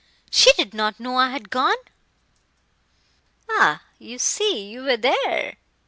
She did not know I had gone." "Ah! you see, you were there.